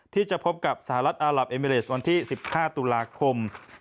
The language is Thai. ที่จะพบกับสหรัฐอารับเอมิเรสวันที่๑๕ตุลาคม